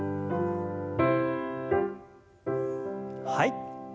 はい。